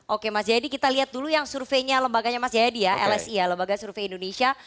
oke mas jayadi kita lihat dulu yang surveinya lembaganya mas jayadi ya lsi ya lembaga survei indonesia